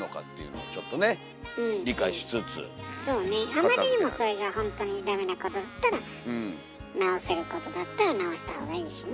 あまりにもそれがほんとにダメなことだったら直せることだったら直した方がいいしね。